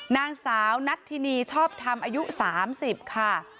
นางสาวนัทธินีชอบทำอายุ๓๐ค่ะ